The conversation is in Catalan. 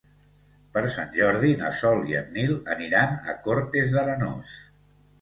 Per Sant Jordi na Sol i en Nil aniran a Cortes d'Arenós.